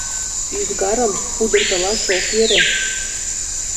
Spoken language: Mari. — Ӱзгарым пудыртылаш ок йӧрӧ!